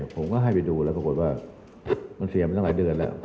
ผมก็ให้ไปดูแล้วปรากฏว่ามันเสียมาตั้งหลายเดือนแล้ว